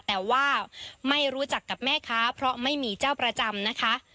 แต่ว่าไม่รู้จักกับแม่ค้าเพราะไม่มีเจ้าประจำนะคะ